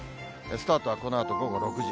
スタートはこのあと午後６時。